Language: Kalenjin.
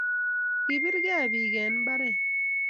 Kipir kee pik en imbaret